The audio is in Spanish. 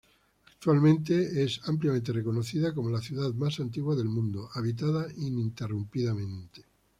Actualmente, es ampliamente reconocida como la ciudad más antigua del mundo habitada ininterrumpidamente.